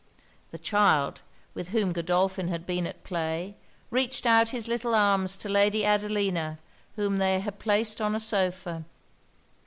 The child, with whom Godolphin had been at play, reached out his little arms to Lady Adelina, whom they had placed on a sopha.